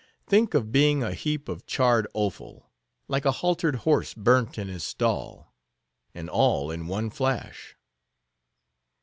Think of being a heap of charred offal, like a haltered horse burnt in his stall; and all in one flash!"